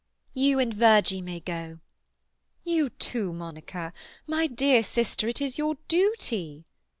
"You and Virgie may go." "You too, Monica. My dear sister, it is your duty."